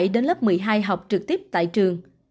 đến lớp một mươi hai học trực tiếp tại trường